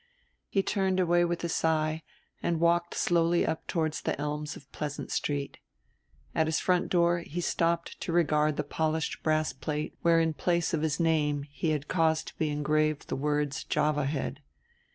He turned away with a sigh and walked slowly up toward the elms of Pleasant Street. At his front door he stopped to regard the polished brass plate where in place of his name he had caused to be engraved the words Java Head.